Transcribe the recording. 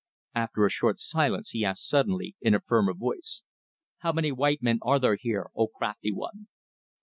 After a short silence he asked suddenly, in a firmer voice "How many white men are there here, O crafty one?"